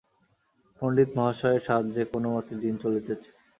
পণ্ডিতমহাশয়ের সাহায্যে কোনো মতে দিন চলিতেছে।